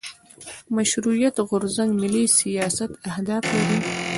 مشروطیت غورځنګ ملي سیاست اهداف لرل.